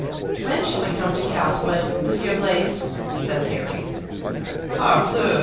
"When shall we come to Castlewood, Monsieur Blaise?" says Harry. "Parbleu!